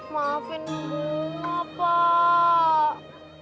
maafin bunga pak